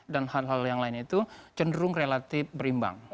dan hal hal yang lainnya itu cenderung relatif berimbang